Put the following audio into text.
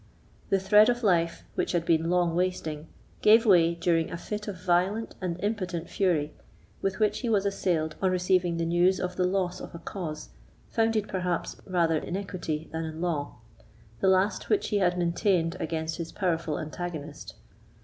The thread of life, which had been long wasting, gave way during a fit of violent and impotent fury with which he was assailed on receiving the news of the loss of a cause, founded, perhaps, rather in equity than in law, the last which he had maintained against his powerful antagonist.